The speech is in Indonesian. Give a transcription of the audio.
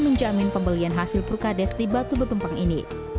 menjamin pembelian hasil prukades di batu betumpang ini